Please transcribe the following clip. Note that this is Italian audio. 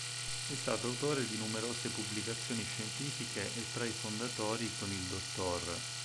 È stato autore di numerose pubblicazioni scientifiche e tra i fondatori, con il dott.